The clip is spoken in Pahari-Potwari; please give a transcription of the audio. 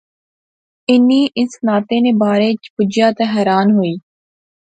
انی اس ناطے نے بارے چ بجیا تہ حیران ہوئی